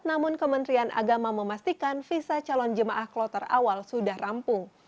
namun kementerian agama memastikan visa calon jemaah kloter awal sudah rampung